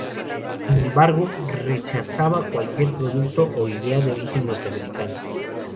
Sin embargo, rechazaba cualquier producto o idea de origen norteamericano.